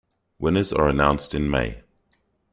Winners are announced in May.